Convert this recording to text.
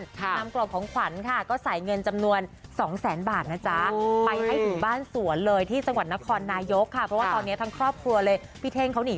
นำกล่องของขวัญค่ะก็ใส่เงินจำนวนสองแสนบาทนะจ๊ะไปให้ถึงบ้านสวนเลยที่จังหวัดนครนายกค่ะเพราะว่าตอนนี้ทั้งครอบครัวเลยพี่เท่งเขาหนี